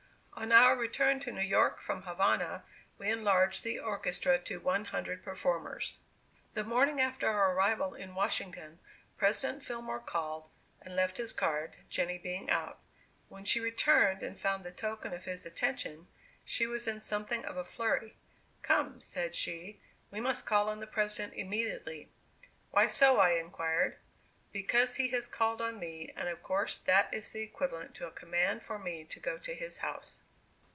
On our return to New York from Havana, we enlarged the orchestra to one hundred performers. The morning after our arrival in Washington, President Fillmore called, and left his card, Jenny being out. When she returned and found the token of his attention, she was in something of a flurry. "Come," said she, "we must call on the President immediately." "Why so?" I inquired. "Because he has called on me, and of course that is equivalent to a command for me to go to his house."